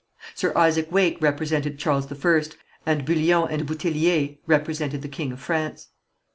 Sir Isaac Wake represented Charles I, and Bullion and Bouthillier represented the king of France.